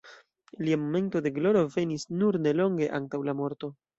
Lia momento de gloro venis nur nelonge antaŭ la morto.